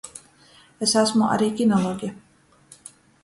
Es asmu ari kinologe.